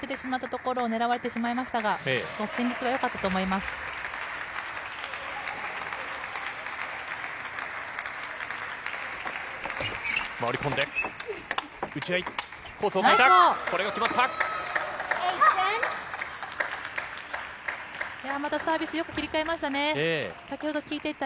これが決まった。